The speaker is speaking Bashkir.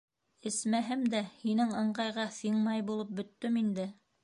Эсмәһәм дә һинең ыңғайға ҫиңмай булып бөттөм инде!